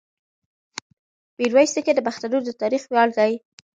میرویس نیکه د پښتنو د تاریخ ویاړ دی.